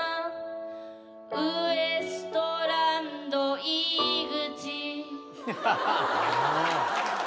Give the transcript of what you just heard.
・「ウエストランド井口」